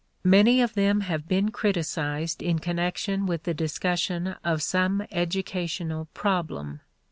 Many of them have been criticized in connection with the discussion of some educational problem.